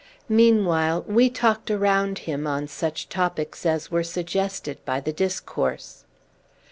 Meanwhile, we talked around him on such topics as were suggested by the discourse.